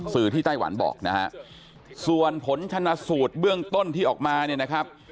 สื่อที่ไต้หวันบอกส่วนผลชนะสูตรเบื้องต้นที่ออกมา